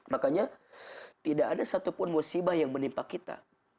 makanya tidak ada satupun musibah yang menimpa kita